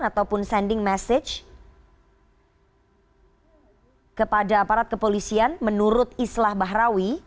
ataupun sending message kepada aparat kepolisian menurut islah bahrawi